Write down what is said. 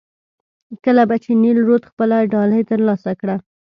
کله به چې نیل رود خپله ډالۍ ترلاسه کړه.